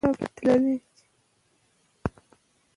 د وچې ډوډۍ بحران ولس ډېر ځوروي.